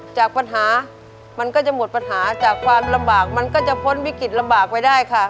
จากปัญหามันก็จะหมดปัญหาจากความลำบากมันก็จะพ้นวิกฤตลำบากไปได้ค่ะ